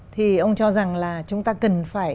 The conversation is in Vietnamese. thì ông cho rằng là chúng ta cần phải